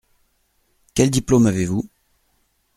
Quel diplôme avez-vous ?